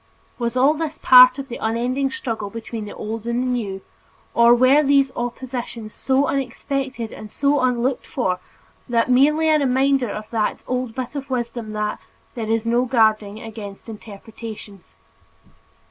Was all this a part of the unending struggle between the old and new, or were these oppositions so unexpected and so unlooked for merely a reminder of that old bit of wisdom that "there is no guarding against interpretations"?